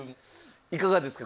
いかがですか